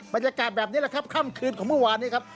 บรรยากาศแบบนี้แหละครับค่ำคืนของเมื่อวานนี้ครับ